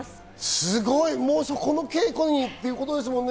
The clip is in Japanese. すごい、もうそこの稽古にってことですもんね。